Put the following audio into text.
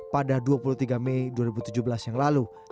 pada dua puluh tiga mei dua ribu tujuh belas yang lalu